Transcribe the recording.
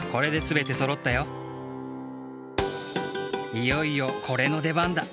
いよいよこれのでばんだ。